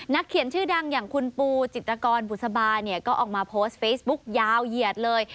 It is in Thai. เขียนชื่อดังอย่างคุณปูจิตกรบุษบาเนี่ยก็ออกมาโพสต์เฟซบุ๊กยาวเหยียดเลย